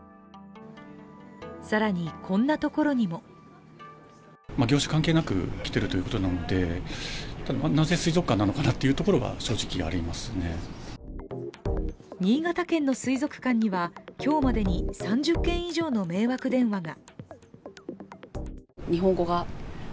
更に、こんなところにも新潟県の水族館には今日までに３０件以上の迷惑電話が。